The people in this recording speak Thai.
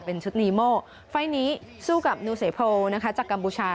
เป็นชุดนีโม่ไฟล์นี้สู้กับนูเซโพลนะคะจากกัมพูชา